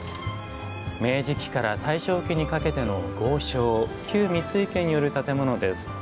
明治期から大正期にかけての豪商・旧三井家による建物です。